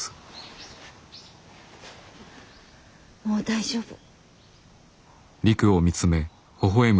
もう大丈夫。